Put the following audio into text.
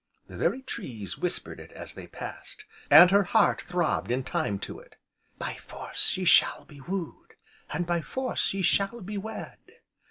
The very trees whispered it as they passed, and her heart throbbed in time to it: "By force ye shall be wooed, and by force ye shall be wed!"